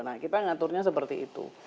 nah kita ngaturnya seperti itu